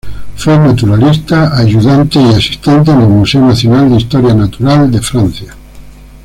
Fue naturalista, ayudante y asistente en el Museo Nacional de Historia Natural de Francia.